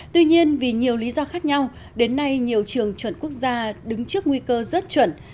tuy nhiên vì nhiều lý do khác nhau đến nay nhiều trường chuẩn quốc gia đứng trước nguy cơ rớt chuẩn